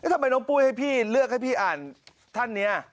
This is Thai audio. ทำไมน้องปุ้ยให้พี่เลือกให้พี่อ่านท่านนี้